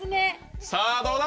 さぁどうだ？